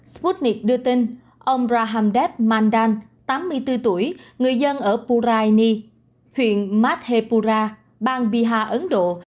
sputnik đưa tin ông prahamdeb mandan tám mươi bốn tuổi người dân ở puraini huyện mazepura bang bihar ấn độ